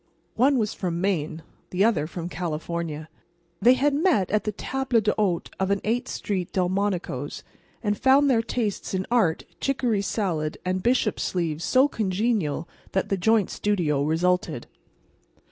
One was from Maine; the other from California. They had met at the table d'hôte of an Eighth street "Delmonico's," and found their tastes in art, chicory salad and bishop sleeves so congenial that the joint studio resulted.